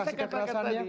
kasih keterasan ya